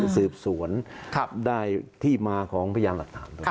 สืบสวนได้ที่มาของพยานหลักฐาน